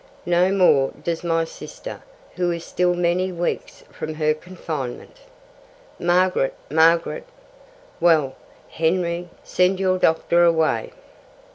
"No more does my sister, who is still many weeks from her confinement." "Margaret, Margaret!" "Well, Henry, send your doctor away.